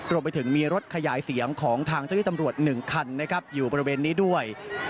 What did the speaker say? รวมไปถึงมีรถขยายเสียงของทางเจ้าที่ตำรวจ๑คันนะครับอยู่บริเวณนี้ด้วย